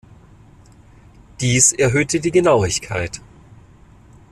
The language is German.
Dies erhöhte die Genauigkeit.